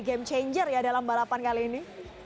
game changer ya dalam balapan kali ini